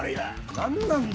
何なんだ？